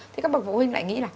thì các bậc phụ huynh lại nghĩ là